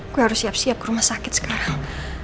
gue harus siap siap ke rumah sakit sekarang